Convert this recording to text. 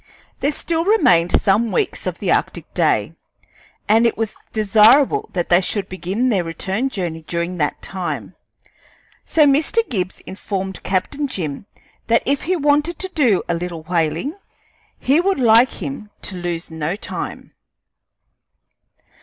There still remained some weeks of the arctic day, and it was desirable that they should begin their return journey during that time; so Mr. Gibbs informed Captain Jim that if he wanted to do a little whaling, he would like him to lose no time.